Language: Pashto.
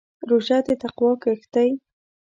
روژه د تقوا کښت دی.